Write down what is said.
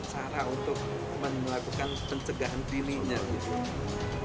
cara untuk melakukan pencegahan dirinya gitu